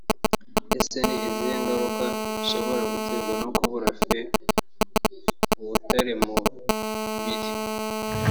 Ese ni izihe ngaruka zishobora guterw no kubura fer/ubutare mu mubiri